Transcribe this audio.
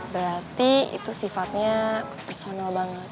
berarti itu sifatnya personal banget